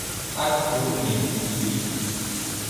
Artur Mendes de Brito